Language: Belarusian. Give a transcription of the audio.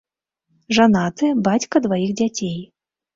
Жанаты, бацька дваіх дзяцей.